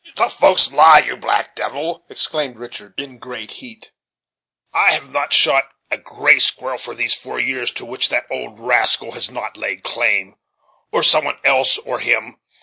"The folks lie, you black devil!" exclaimed Richard in great heat. "I have not shot even a gray squirrel these four years, to which that old rascal has not laid claim, or some one else for him.